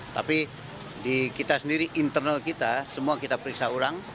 tapi di kita sendiri internal kita semua kita periksa orang